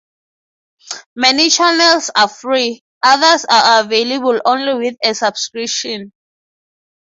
Many channels are free, others are available only with a subscription.